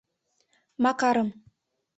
Макарым.